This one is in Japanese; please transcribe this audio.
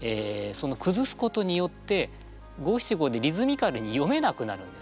そのくずすことによって五七五でリズミカルに詠めなくなるんですね。